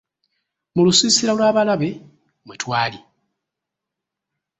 Mu lusiisira lw'abalabe mwe twali.